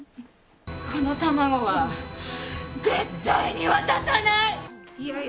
この卵は絶対に渡さない！